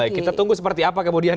baik kita tunggu seperti apa kemudian